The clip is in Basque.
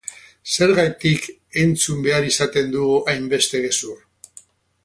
Zergatik entzun behar izaten dugu hainbeste gezur?